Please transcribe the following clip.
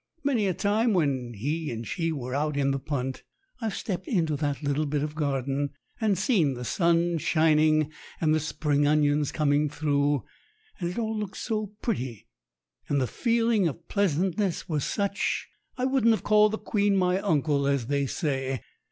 Many a time, when he and she were out in the punt, I've stepped into that little bit of garden and seen the sun shining and the spring onions coming through, and it all looked so pretty, and the feeling of pleasantness was such, I wouldn't have called the Queen my uncle, as they say.